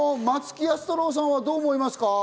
松木安太郎さんはどう思いますか？